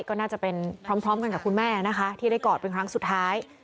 ก็น่าจะเป็นพร้อมกันกับคุณแม่นะคะที่ได้กอดเป็นครั้งสุดท้าย